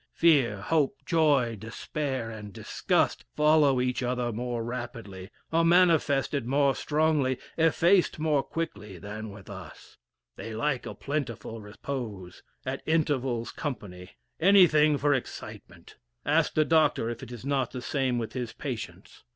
Fear, hope, joy, despair, and disgust, follow each other more rapidly, are manifested more strongly, effaced more quickly, than with us. They like a plentiful repose, at intervals company; anything for excitement. Ask the doctor if it is not the same with his patients.